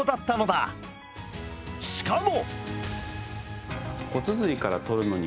しかも！